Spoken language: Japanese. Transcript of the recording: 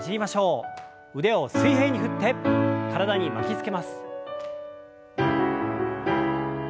腕を水平に振って体に巻きつけます。